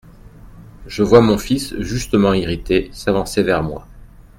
Je vois mon fils justement irrité s'avancer vers moi.